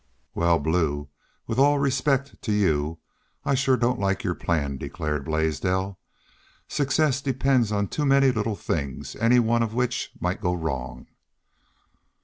"Wal, Blue, with all due respect to y'u, I shore don't like your plan," declared Blaisdell. "Success depends upon too many little things any one of which might go wrong."